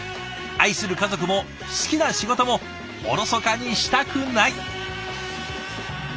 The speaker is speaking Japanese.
愛する家族も好きな仕事もおろそかにしたくない。